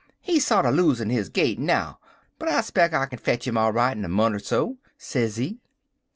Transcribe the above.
He sorter losin' his gait now, but I speck I kin fetch 'im all right in a mont' er so,' sezee.